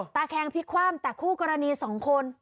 ตาแค้งพลิกความแต่คู่กรณีสองคน